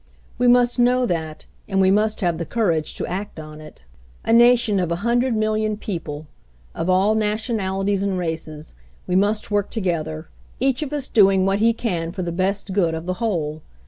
"We must know that, and we must have the courage to act on it. A nation of a hundred mil THE BEST PREPAREDNESS 183 lion people, of all nationalities and races, we must work together, each of us doing what he can for the best good of the whole.